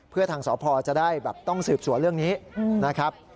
เพื่อทางสพจะได้แบบต้องสืบสวนเรื่องนี้นะครับ